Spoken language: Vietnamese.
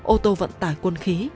ô tô vận tải quân khí